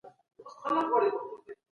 وطن د ژوند د بقا او عزت ځای دی.